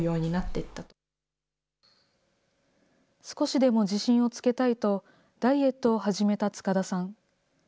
少しでも自信をつけたいと、ダイエットを始めた塚田さん。